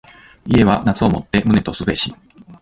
家は夏をもって旨とすべし。